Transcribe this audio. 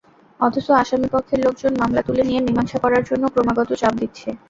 অথচ আসামিপক্ষের লোকজন মামলা তুলে নিয়ে মীমাংসা করার জন্য ক্রমাগত চাপ দিচ্ছে।